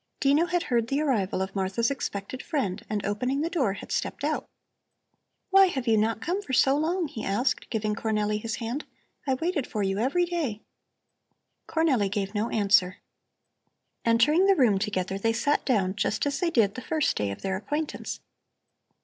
Dino had heard the arrival of Martha's expected friend and opening the door had stepped out. "Why have you not come for so long?" he asked, giving Cornelli his hand. "I waited for you every day." Cornelli gave no answer. Entering the room together they sat down just as they did the first day of their acquaintance.